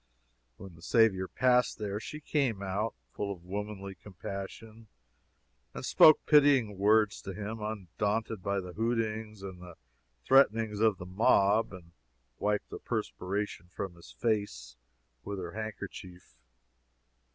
When the Saviour passed there, she came out, full of womanly compassion, and spoke pitying words to him, undaunted by the hootings and the threatenings of the mob, and wiped the perspiration from his face with her handkerchief.